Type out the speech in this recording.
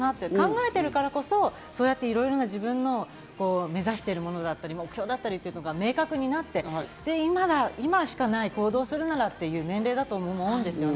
考えてるからこそ、自分の目指してるものだったり、目標だったりが明確になって、今しかない、行動するならっていう年齢だと思うんですよ。